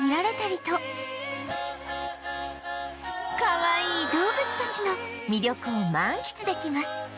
かわいい動物たちの魅力を満喫できます